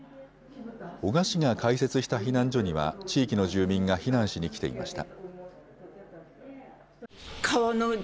男鹿市が開設した避難所には地域の住民が避難しに来ていました。